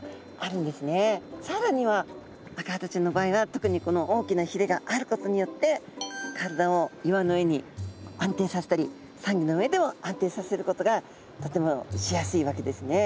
さらにはアカハタちゃんの場合は特にこの大きなひれがあることによって体を岩の上に安定させたりサンギョの上でも安定させることがとてもしやすいわけですね。